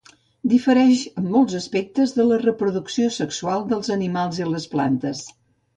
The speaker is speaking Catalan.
Difereix en molts aspectes de la reproducció sexual dels animals i les plantes.